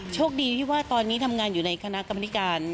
โชคดีที่ว่าตอนนี้ทำงานอยู่ในคณะกรรมนิการ